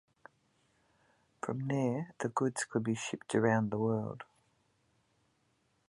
From there the goods could be shipped around the world.